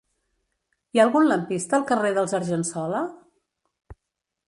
Hi ha algun lampista al carrer dels Argensola?